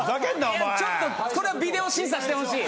ちょっとこれはビデオ審査してほしい。